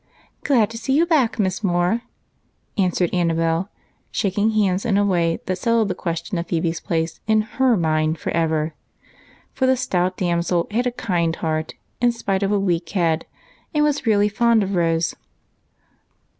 "Glad to see you back, Miss Moore," answered Annabel, shaking hands in a way that settled the question of Phebe's place in her mind forever, for the stout damsel had a kind heart in spite of a weak head and was really fond of Rose.